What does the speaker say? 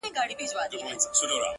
دا ناځوانه بيا هغې كوڅه كي راته وژړل.!